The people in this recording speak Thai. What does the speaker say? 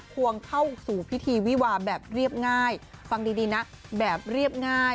ควงเข้าสู่พิธีวิวาแบบเรียบง่ายฟังดีนะแบบเรียบง่าย